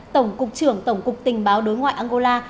tổng cục trưởng tổng cục tình báo đối ngoại angola